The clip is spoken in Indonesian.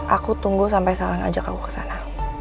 aku tunggu sampe salah ngajak aku kesana